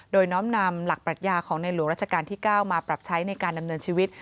โดยน้อมนำหลักปรัชญาของในหลวงราชการที่๙มาปรับใช้ในการดำเนินชีวิต